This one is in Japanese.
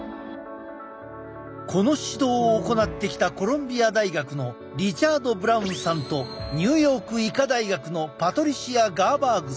この指導を行ってきたコロンビア大学のリチャード・ブラウンさんとニューヨーク医科大学のパトリシア・ガーバーグさん。